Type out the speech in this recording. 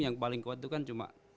yang paling kuat itu kan cuma